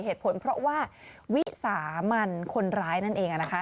เหตุผลเพราะว่าวิสามันคนร้ายนั่นเอง